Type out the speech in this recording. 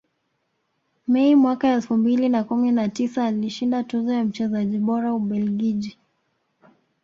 Mei mwaka elfu mbili na kumi na tisa aliishinda tuzo ya mchezaji bora Ubelgiji